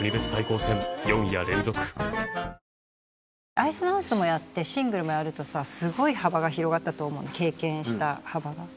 アイスダンスもやってシングルもやるとさすごい幅が広がったと思うの経験した幅が。